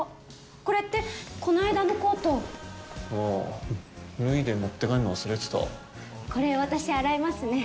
これってこないだのコートああー脱いで持って帰んの忘れてたこれ私洗いますね